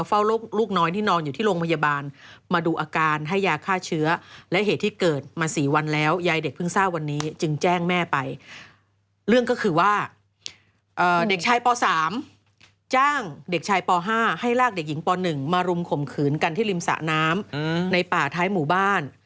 เรื่องก็คือว่าเด็กชายป๓จ้างเด็กชายป๕ให้ลากเด็กหญิงป๑มารุมข่มขืนกันที่ริมสะน้ำในป่าท้ายหมู่บ้าน